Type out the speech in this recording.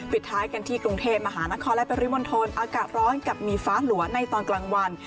ปิดท้ายกันที่กรุงเทพมหานครและปริมณฑลอากาศร้อนกับมีฟ้าหลัวในตอนกลางวัน